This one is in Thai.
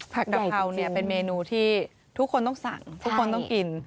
กะเพราเนี่ยเป็นเมนูที่ทุกคนต้องสั่งทุกคนต้องกิน